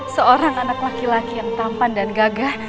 seorang anak laki laki yang tampan dan gagah